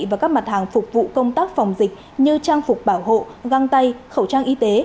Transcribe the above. và các mặt hàng phục vụ công tác phòng dịch như trang phục bảo hộ găng tay khẩu trang y tế